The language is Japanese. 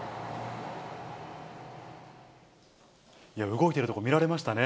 動いているところ、見られましたね。